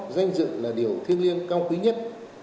danh dự là điều thiên liêng cao quý nhất